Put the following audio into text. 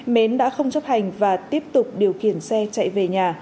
mến đã không chấp hành và tiếp tục điều khiển xe chạy về nhà